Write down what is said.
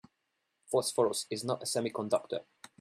Phosphorus is not a semiconductor.